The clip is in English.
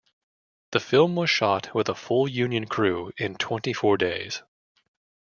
The film was shot with a full union crew in twenty-four days.